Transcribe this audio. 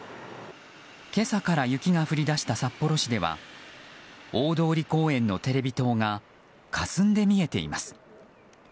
今朝から雪が降り出した札幌市では大通公園のテレビ塔がかすんで見えています。